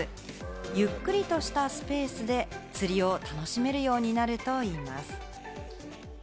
ゆっくりとしたスペースで釣りを楽しめるようになるといいます。